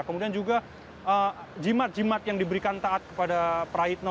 kemudian juga jimat jimat yang diberikan taat kepada praitno